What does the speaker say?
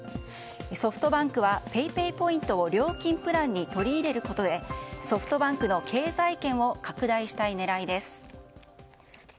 ソフトバンクはＰａｙＰａｙポイントを料金プランに取り入れることでソフトバンクの経済圏を拡大したい狙いです。